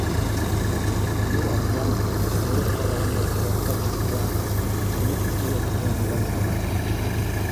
Бер аҙҙан һонолоп ҡарағанда пираттар киткән, ҡомлоҡ үҙе лә күҙҙән юғалып бара ине.